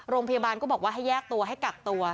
โรงพยาบาลก็บอกว่าให้แยกตัวให้กักตัว